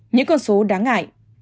những con số đáng ngại